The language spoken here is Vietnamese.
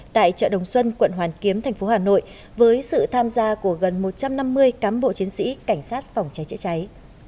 tại chợ đồng xuân quận hoàn kiếm tp hà nội với sự tham gia của gần một trăm năm mươi cám bộ chiến sĩ cảnh sát phòng trái chữa trái